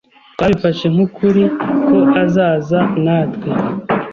Twabifashe nk'ukuri ko azaza natwe.